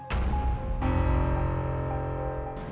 biasanya undangan cuma buat orang tua